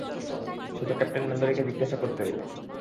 সেটা তো captain Mallory কে জিজ্ঞাসা করতে হবে।